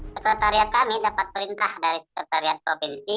sekretariat kami dapat perintah dari sekretariat provinsi